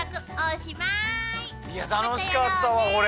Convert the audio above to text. いや楽しかったわ俺。